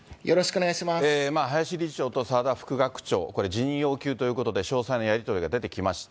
林理事長と澤田副学長、これ、辞任を要求ということで詳細のやり取りが出てきました。